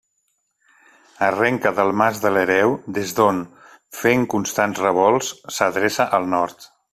Arrenca del Mas de l'Hereu, des d'on, fent constants revolts, s'adreça al nord.